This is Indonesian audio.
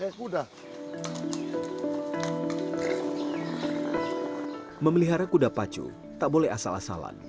itu aslinya masuk ke bawah